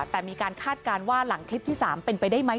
แต่มีการคาดการณ์ว่าหลังคลิปที่๓เป็นไปได้ไหม